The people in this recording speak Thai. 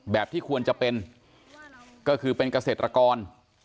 ที่ควรจะเป็นก็คือเป็นเกษตรกร